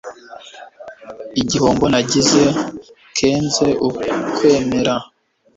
Igihombo nagize kenze ukwemera